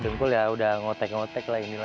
dengkul ya udah ngotek ngotek lah ini lah